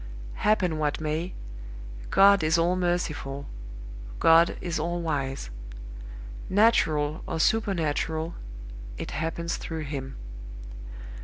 Happen what may, God is all merciful, God is all wise: natural or supernatural, it happens through Him.